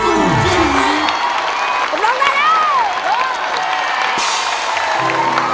บำรุงได้แล้ว